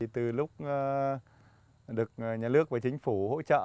từ lúc được nhà nước và chính phủ hỗ trợ